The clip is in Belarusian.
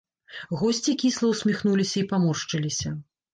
Госці кісла ўсміхнуліся і паморшчыліся.